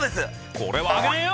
これはあげねえよ！